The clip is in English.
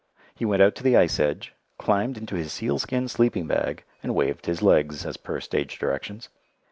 He went out to the ice edge, climbed into his sealskin sleeping bag, and waved his legs, as per stage directions.